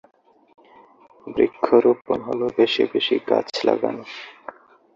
বৃক্ষরোপন হলো বেশি বেশি গাছ লাগানো।